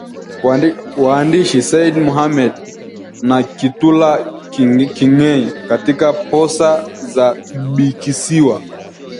Waandishi Said Mohamed na Kitula King’ei katika Posa za Bikisiwa